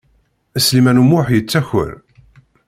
Sliman U Muḥ yettaker.